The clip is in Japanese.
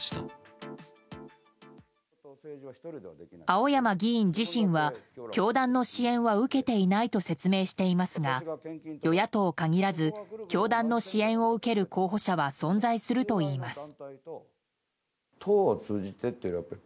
青山議員自身は、教団の支援は受けていないと説明していますが与野党限らず教団の支援を受ける候補者は存在するといいます。